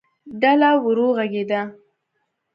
ډله ورو غږېده.